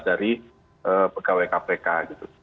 dari pegawai kpk gitu